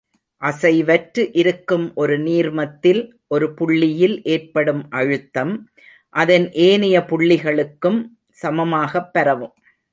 அசைவற்று இருக்கும் ஒரு நீர்மத்தில் ஒரு புள்ளியில் ஏற்படும் அழுத்தம், அதன் ஏனைய புள்ளிகளுக்கும் சமமாகப் பரவும்.